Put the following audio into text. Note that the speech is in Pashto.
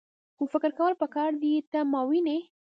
خو فکر کول پکار دي . ته ماوینې؟